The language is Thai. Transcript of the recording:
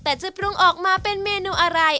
แต่จะปรุงออกมาเป็นเมนูอะไร